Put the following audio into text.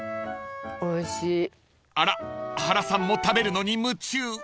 ［あら原さんも食べるのに夢中］